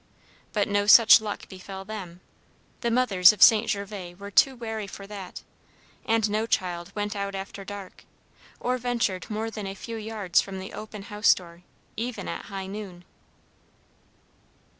But no such luck befell them. The mothers of St. Gervas were too wary for that, and no child went out after dark, or ventured more than a few yards from the open house door, even at high noon.